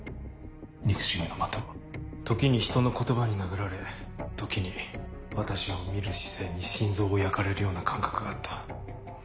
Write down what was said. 憎しみの的時に人の言葉に殴られ時に私を見る視線に心臓を焼かれるような感覚があった。